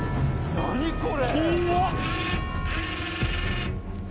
何これ！